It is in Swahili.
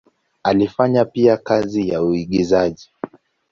Alifanya pia kazi ya uigizaji.